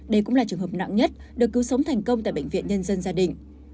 đây cũng là trường hợp nặng nhất được cứu sống thành công tại bệnh viện nhân dân gia đình